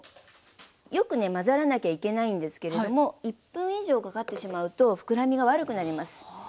よくね混ざらなきゃいけないんですけれども１分以上かかってしまうと膨らみが悪くなります。